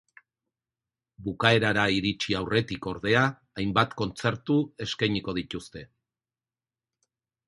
Bukaerara iritsi aurretik, ordea, hainbat kontzertu eskainiko dituzte.